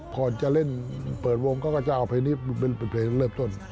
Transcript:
ก่อนจะเล่นเปิดวงเขาก็จะเอาเพลงนี้เป็นเพลงเริ่มต้น